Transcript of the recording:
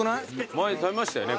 前食べましたよね